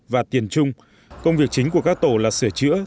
và tiền chung công việc chính của các tổ là sửa chữa